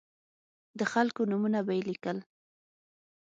د خلکو نومونه به یې لیکل.